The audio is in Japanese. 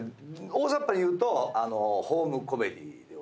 大ざっぱに言うとホームコメディー。